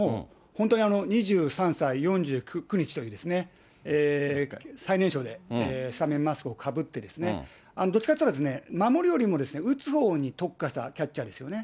フィリーズから昨年、来たんですけども、本当に２３歳４９日という最年少でスタメンマスクをかぶってですね、どっかっていったら、守りよりも打つほうに特化したキャッチャーですよね。